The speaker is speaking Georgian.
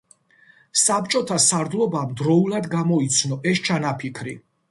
საბჭოთა სარდლობამ დროულად გამოიცნო ეს ჩანაფიქრი.